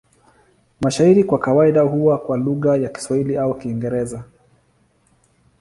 Mashairi kwa kawaida huwa kwa lugha ya Kiswahili au Kiingereza.